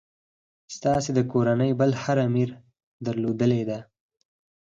ستاسي د کورنۍ بل هر امیر درلودلې ده.